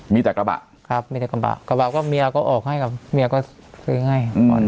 มีแต่กระบะครับมีแต่กระบะกระบะก็เมียก็ออกให้กับเมียก็ซื้อให้